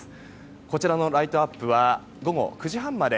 こちらのライトアップは午後９時半まで。